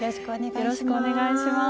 よろしくお願いします。